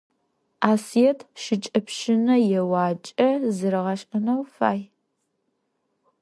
Асыет шыкӀэпщынэ еуакӀэ зэригъэшӀэнэу фай.